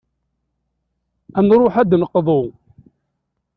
Ad nruḥ ad d-neqḍu.